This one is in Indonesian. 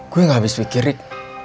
gue gak habis pikir rik